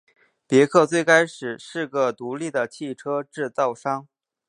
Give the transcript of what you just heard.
别克最开始是个独立的汽车制造商。